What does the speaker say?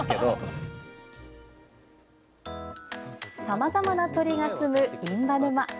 さまざまな鳥がすむ印旛沼。